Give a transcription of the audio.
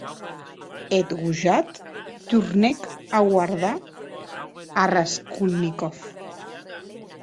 Eth gojat tornèc a guardar a Raskolnikov.